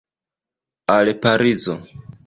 Al Parizo!